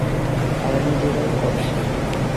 তারা নিজেরাই করছে।